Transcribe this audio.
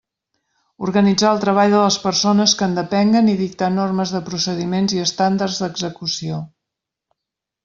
Organitzar el treball de les persones que en depenguen i dictar normes de procediments i estàndards d'execució.